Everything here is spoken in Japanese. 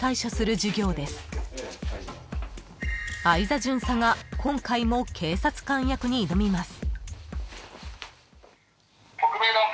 ［相座巡査が今回も警察官役に挑みます］